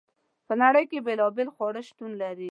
په نړۍ کې بیلابیل خواړه شتون لري.